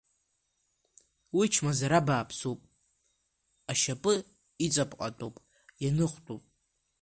Уи чмазара бааԥсуп, ашьапы иҵаԥҟатәуп, ианыхтәуп.